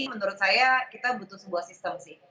menurut saya kita butuh sebuah sistem sih